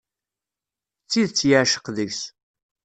D tidet yeɛceq deg-s.